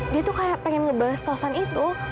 dia tuh kayak pengen ngebalas tosan itu